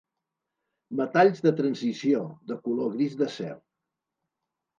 Metalls de transició, de color gris d'acer.